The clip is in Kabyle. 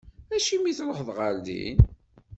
Acimi i tṛuḥeḍ ɣer din?